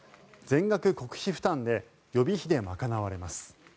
全額国費負担で予備費で賄われます。